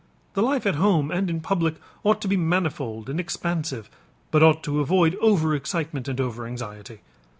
The life at home and in public ought to be manifold and expansive but ought to avoid over excitement and over anxiety.